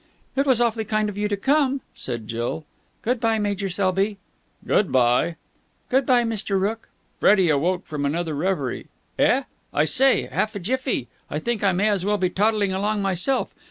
"It was awfully kind of you to come round," said Jill. "Good bye, Major Selby." "Good bye." "Good bye, Mr. Rooke." Freddie awoke from another reverie. "Eh? Oh, I say, half a jiffy. I think I may as well be toddling along myself.